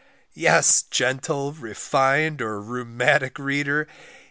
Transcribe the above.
Yes, gentle, refined, or rheumatic reader!